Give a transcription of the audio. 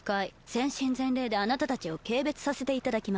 全身全霊であなたたちを軽蔑させていただきます。